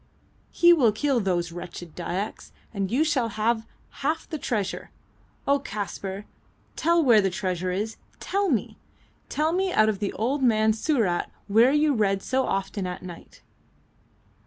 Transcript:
He will kill those wretched Dyaks, and you shall have half the treasure. Oh, Kaspar, tell where the treasure is! Tell me! Tell me out of the old man's surat where you read so often at night."